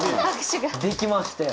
できましたよ。